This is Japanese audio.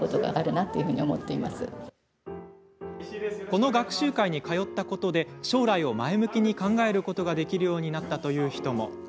この学習会をきっかけに将来を前向きに考えることができるようになったという人も。